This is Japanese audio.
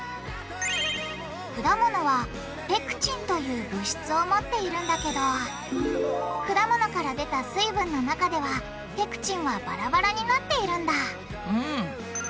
果物はペクチンという物質を持っているんだけど果物から出た水分の中ではペクチンはバラバラになっているんだ